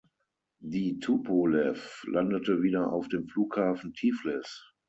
Die Tupolew landete wieder auf dem Flughafen Tiflis.